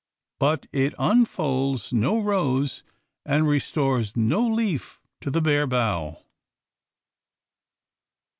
But it unfolds no rose and restores no leaf to the bare bough.